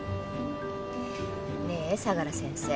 ねえ相良先生。